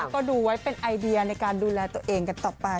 ก็ดูไว้เป็นไอเดียในการดูแลตัวเองกันต่อไป